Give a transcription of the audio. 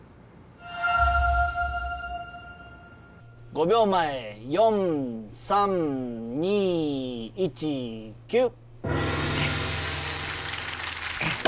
５秒前４３２１キュー。